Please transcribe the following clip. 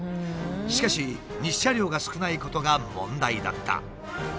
しかし日射量が少ないことが問題だった。